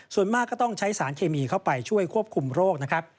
ส่วนมากก็ต้องใช้สารเคมีเข้าไปช่วยควบคุมโรคนะครับ